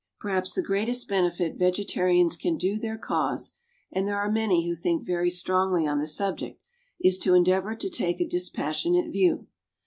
Perhaps the greatest benefit vegetarians can do their cause and there are many who think very strongly on the subject is to endeavour to take a dispassionate view.